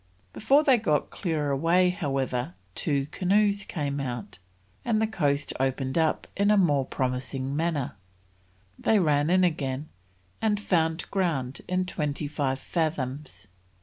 Before they got clear away, however, two canoes came out, and the coast opening up in a more promising manner, they ran in again and found ground in twenty five fathoms.